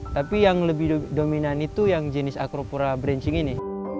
tapi yang lebih dominan itu yang jenis acropora branching ini